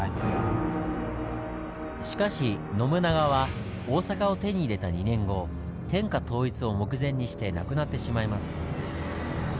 しかし信長は大阪を手に入れた２年後天下統一を目前にして亡くなってしまいます。